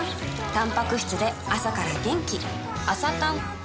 たんぱく質で朝から元気